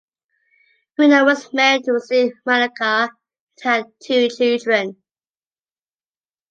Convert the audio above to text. Bruno was married to Sue Maranca and had two children.